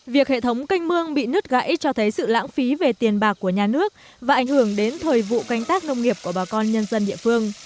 việc hệ thống canh mương bị nứt gãy cho thấy sự lãng phí về tiền bạc của nhà nước và ảnh hưởng đến thời vụ canh tác nông nghiệp của bà con nhân dân địa phương